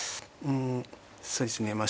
うんそうですね